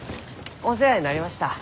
お世話になりました。